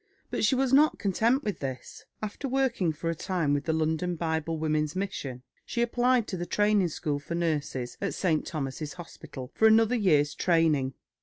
But she was not content with this. After working for a time with the London Bible Women's Mission, she applied to the training school for nurses at St. Thomas's Hospital for another year's training.